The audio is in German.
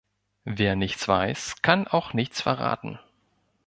Wer nichts weiß, kann auch nichts verraten.